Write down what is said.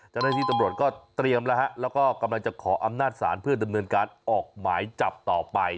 เจ้าหน้าที่ตำรวจก็เตรียมแล้วฮะแล้วก็กำลังจะขออำนาจศาลเพื่อดำเนินการออกหมายจับต่อไป